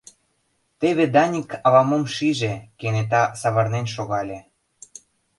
Теве Даник ала-мом шиже, кенета савырнен шогале.